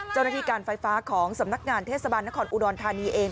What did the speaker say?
เจ้าหน้าที่การไฟฟ้าของสำนักงานเทศบาลนครอุดรธานีเอง